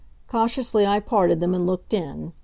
Cautiously I parted them and looked in.